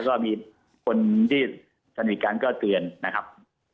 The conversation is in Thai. ก็มีคนที่สนิทกันก็เตือนนะครับ